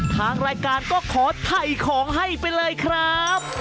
ทางรายการก็ขอถ่ายของให้ไปเลยครับ